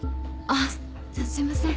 あっすいません。